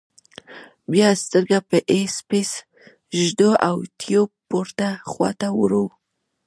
بیا سترګه په آی پیس ږدو او ټیوب پورته خواته وړو.